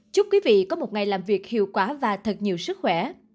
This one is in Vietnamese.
chúc quý vị có một ngày làm việc hiệu quả và thật nhiều sức khỏe